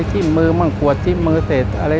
และที่เราต้องใช้เวลาในการปฏิบัติหน้าที่ระยะเวลาหนึ่งนะครับ